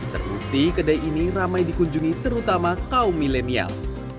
terbukti kedai ini ramai dikunjungi terutama kaum milenial